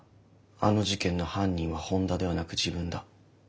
あの事件の犯人は本田ではなく自分だ。